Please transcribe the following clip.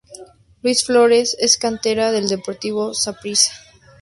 Luis Flores es cantera del Deportivo Saprissa.